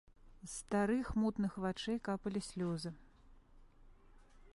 З старых мутных вачэй капалі слёзы.